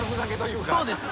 そうです。